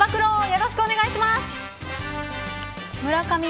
よろしくお願いします。